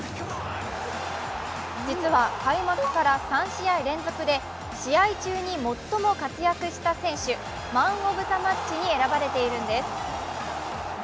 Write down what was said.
実は開幕から３試合連続で試合中に最も活躍した選手、マンオブザマッチに選ばれているんです。